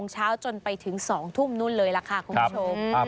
จนไปถึง๒๑๐๐นู้นเลยละค่ะคุณผู้ชม